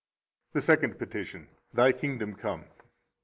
The Second Petition. Thy kingdom come.